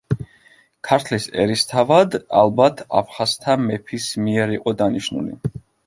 ქართლის ერისთავად ალბათ აფხაზთა მეფის მიერ იყო დანიშნული.